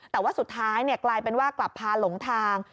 แต่ว่าสุดท้ายกลายเป็นว่ากลับพาหลงทาง